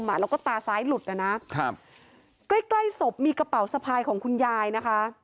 เราก็ตาซ้ายหลุดนะใกล้ศพมีกระเป๋าสภายของคุณยายนะคะ